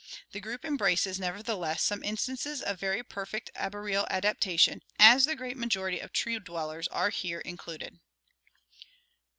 The group embraces, nevertheless, some in stances of very perfect arboreal adaptation, as the great majority of tree dwellers are here included.